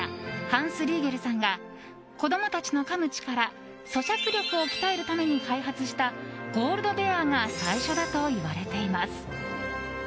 ハンス・リーゲルさんが子供たちのかむ力咀嚼力を鍛えるために開発したゴールドベアが最初だといわれています。